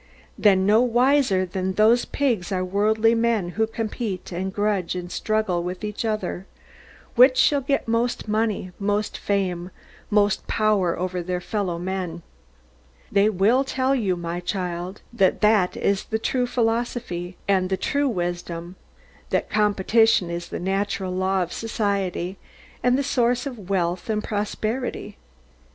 Then no wiser than those pigs are worldly men who compete, and grudge, and struggle with each other, which shall get most money, most fame, most power over their fellow men. They will tell you, my child, that that is the true philosophy, and the true wisdom; that competition is the natural law of society, and the source of wealth and prosperity.